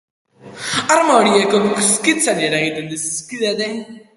Arma horiek hotzikarak eragiten dizkidate.